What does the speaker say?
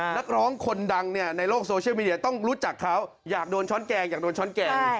นักร้องคนดังในโลกโซเชียลมีเดียต้องรู้จักเขาอยากโดนช้อนแกงอยากโดนช้อนแกง